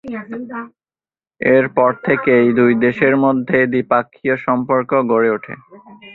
এরপর থেকেই দুই দেশের মধ্যে দ্বিপাক্ষীয় সম্পর্ক গড়ে ওঠে।